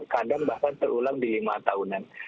kadang bahkan terulang di lima tahunan